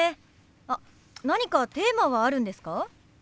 あっ何かテーマはあるんですか？